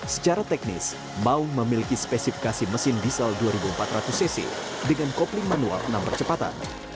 secara teknis maung memiliki spesifikasi mesin diesel dua ribu empat ratus cc dengan kopling manual enam percepatan